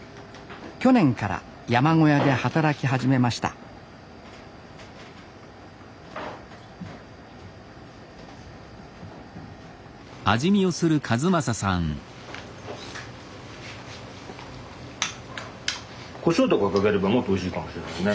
去年から山小屋で働き始めましたこしょうとかかければもっとおいしいかもしれないね。